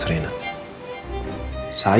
saya yang membesarkan rena dari bayi